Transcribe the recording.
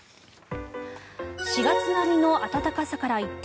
４月並みの暖かさから一転